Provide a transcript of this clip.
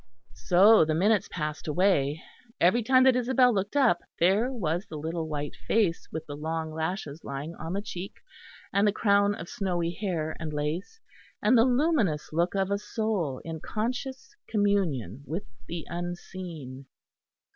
So the minutes passed away; every time that Isabel looked up there was the little white face with the long lashes lying on the cheek, and the crown of snowy hair and lace, and the luminous look of a soul in conscious communion with the unseen.